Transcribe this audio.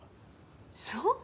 そう？